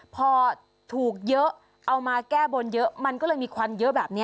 พอถูกเยอะเอามาแก้บนเยอะมันก็เลยมีควันเยอะแบบนี้